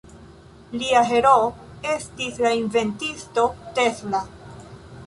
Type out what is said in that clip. Lia heroo estis la inventisto Tesla.